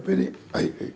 はいはい。